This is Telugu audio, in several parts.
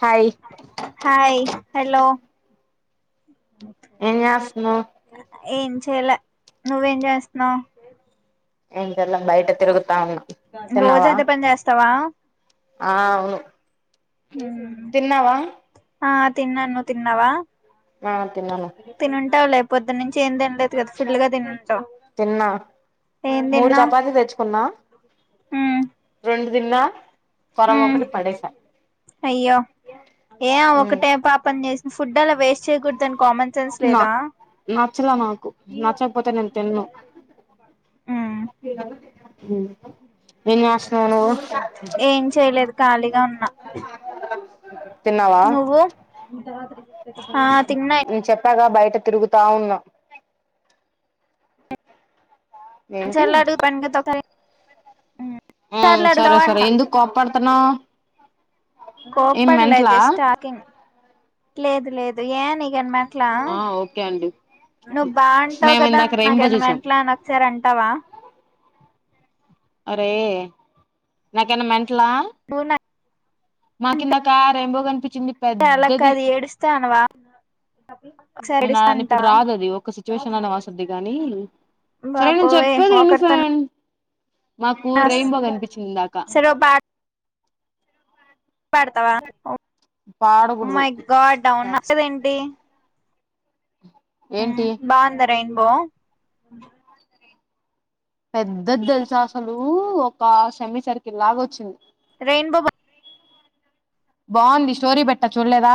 హాయ్ హాయ్ హలో ఏం చేస్తున్నావ్ ఏం చేయాలే నువ్వేం చేస్తున్నావ్ ఎండలా రోజు అదే పని చేస్తావా ఆ అవును హ్మ్ తిన్నావా హ తిన్నాను నువ్వు తిన్నావా హ తిన్నాను తినుంటావు లే పొద్దున్నుంచి ఏం తినలే కదా ఫుల్లుగా తినుంటావ్ తిన్నా మూడు చపాతి తెచ్చుకున్నా రెండు దిన్నా హ్మ్ అయ్యో ఏ ఉమ్ ఒకటే పాపం చేసిన ఫుడ అలా వేస్ట్ చేయకూడతాన్ కామన్ సెన్స్ లేదా నచ్చలే నాకు నచ్చకపోతే నేను తిన్నను [inaudible] ఉమ్ ఏం చేయలేదు ఖాళీగా ఉన్నా తిన్నావా నువ్వు ఆ తిన్న ఇ నేన్ చెప్పాగా బయట తిరుగుతా ఉన్నం ఇ ఏంటి చరలా అ ప పెనికికి తక ఆ సరే సరే అంటా ఎందుకు కోప్పడుతున్నావ్ ఏం కోపడలే మెంటలా జస్ట్ టాకింగ్ లేదు లేదు ఏ నీకు మన్ ట్ల ఆ ఓకే అండి నువ్వు బాగుంటావవు మేము కదా ఇందాక రెయిన్బో నాకేమన్నా చూసాం మెంట్లాని ఒకసారి అంటావా అరే నాకేన్న మెంట్ల పూనా మాకిందాకా రెయిన్బో కనిపించింది అంటే అలా పెద్దది కాదు ఏడుస్తూ అనవ నాను ఇప్పుడు రాదు అది ఒక సిచ్యువేషన్ అనే వసది కాని సరే నేను బాబోయ్ చెప్పేది విను ఒకరితో ఫ్రెండ్ మాకు రెయిన్బో కనిపించింది ఇందాక సరే ఓ పెడతావా ఒ పాడకూడదు మై గాడ్ అవున వస్తద ఏంటి ఏంటి బాంద రైన్ బో పెద్దది తెలుసా అసలు ఒక సెమీ సర్కిల్ లాగ వచ్చింది రెయిన్బో బ బాగుంది స్టోరీ పెట్టా చుల్లేదా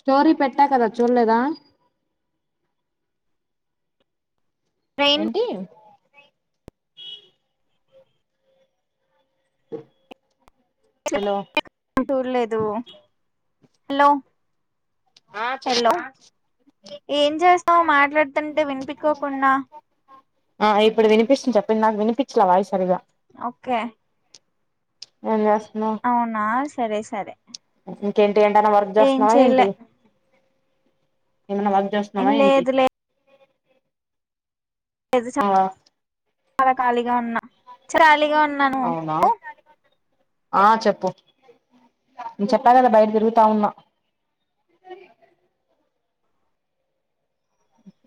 స్టోరీ పెట్టా కదా చుల్లేదా రెయిన్బో ఏంటి హలో టూర్ లేదు హలో ఆ చెప్పు హలో ఏం చేస్తావు మాట్లాడుతుంటే వినిపకోకుండా ఆ ఇప్పుడు వినిపిస్తుంది చెప్పండి నాకు వినిపించలే వాయిస్ సరిగా ఓకే ఏం చేస్తన్నావు అవునా సరే సరే ఇంకేంటి ఏంటన్న వర్క్ ఏం చేస్తన్నావా చేయలే ఏంటి ఏమైనా వ చేస్తన్నావ ఏంటి లేదు [unintelligible] ఆ అలా ఖళీగా ఉన్నా ఖాళీగా ఉన్నాను అవునా ఆ చెప్పు నే చెప్పా కదా బయట తిరుగుతా ఉన్నా అ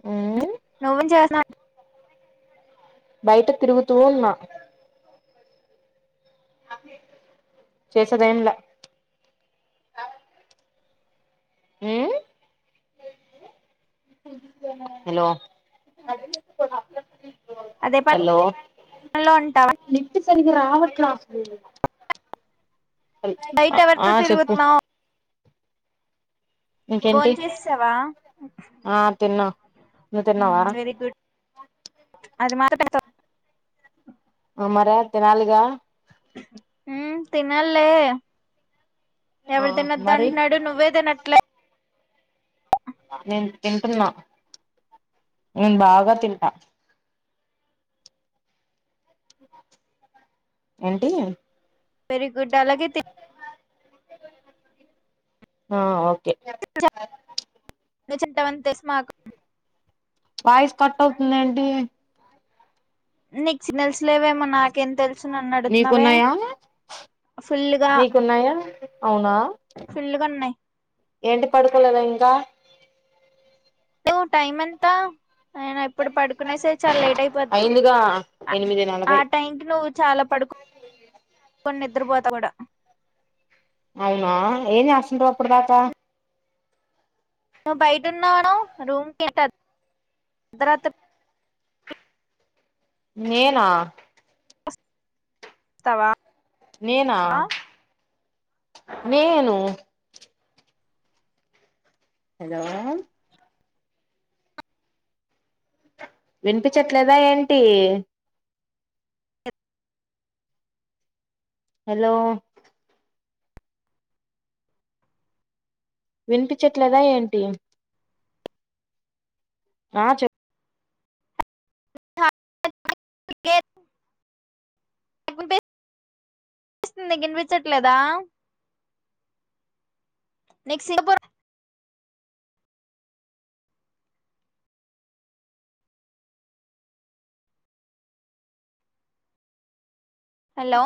ఊ నువ్వు చేసిన బయట తిరుగుతు ఉన్నా చేసేదేం లా ఉ హలో అదే హలో పనిలో ఉంటావా నిప్పు సరిగా రావట్ల నైట్ ఆ ఎవర్తో చెప్పు తిరుగుతున్నావు ఇంకేంటి బోన్ చేసేసావా ఆ తిన్నా నువ్వు తిన్నావా వెరీ గుడ్ అది మా [unintelligible] అ మరే తినాలిగా ఉ తినల్లే ఆ ఎవరిదైనా మరి దంటునాడు నువ్వే తినట్లే నేను తింటున్నా నేను బాగా తింటా ఏంటి వెరీ గుడ్ అలాగే ఆ ఓకే చింటవ తెస్ నాకు వాయిస్ కట్ అవుతుందేంటి నీకు సిగ్నల్స్ లేవేమో నాకేం తెలుసు నన్ను అడుగుతున్నావే మీకున్నాయా ఫుల్గా మీకున్నాయా అవునా ఫుల్గా ఉన్నాయి ఏంటి పడుకోలేదా ఇంకా? టు టైమ్ ఎంత? ఆయన ఇప్పుడు పడుకునే సర్ చల్ లేట్ అయిపోద్ది. అయిందిగా ఎనిమిది ఆ నలభై టైంకి నువ్వు చాలా పడుకు కొన్ నిద్రపోతా కూడా అవునా ఏం చేస్తుంటవ్ అప్పుడు దాకా? ను బయట ఉన్న అన్నావ్, రూమ్ ట అర్ధరాతిర్ నేనా వస్తావా నేనా నేను హలో విన్పిచట్లేదా ఏంటి? హలో విన్పిచట్లేదా ఏంటి? ఆ చె కే ఇన్పి స్తుంది నిక్ ఇన్పిచట్లేదా? నీక్ సి పుర్ హలో